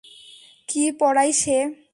কী পড়ায় সে?